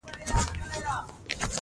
لس نیمې بجې وې چې لښکرګاه ته ورنوتلو.